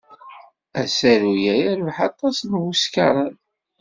Asaru-a yerbeḥ aṭas n wuskaṛen.